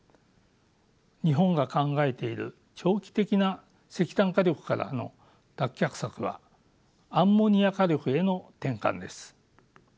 日本が考えている長期的な石炭火力からの脱却策はアンモニア火力への転換です。